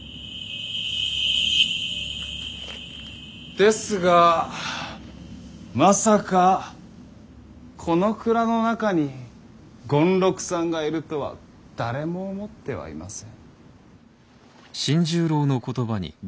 ですがまさかこの蔵の中に権六さんがいるとは誰も思ってはいません。